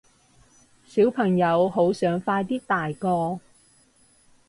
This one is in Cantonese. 小朋友好想快啲大個